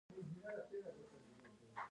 تور رنګ د ماتم نښه ده.